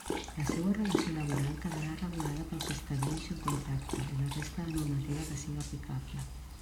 La seua relació laboral quedarà regulada pel que establix el contracte i la resta de normativa que siga aplicable.